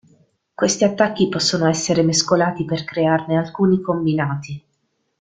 Questi attacchi possono essere mescolati per crearne alcuni combinati.